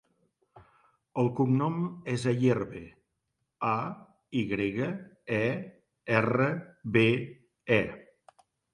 El cognom és Ayerbe: a, i grega, e, erra, be, e.